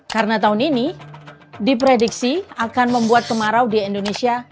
karena tahun ini diprediksi akan membuat kemarau di indonesia